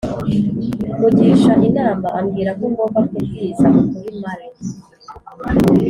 mugisha inama ambwirako ngomba kubwiza ukuri mary